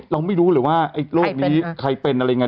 เราไม่รู้เลยว่าไอ้โรคนี้ใครเป็นอะไรไง